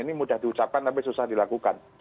ini mudah diucapkan tapi susah dilakukan